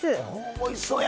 おいしそうや！